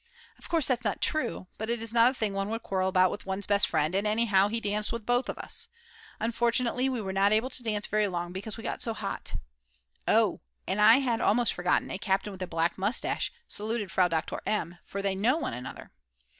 Of course that's not true, but it is not a thing one would quarrel about with one's best friend, and anyhow he danced with both of us. Unfortunately we were not able to dance very long because we got so hot. Oh, and I had almost forgotten, a captain with a black moustache saluted Frau Doktor M., for they know one another.